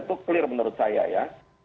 itu clear menurut saya ya